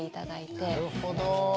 なるほど。